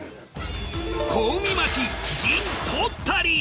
小海町陣取ったり。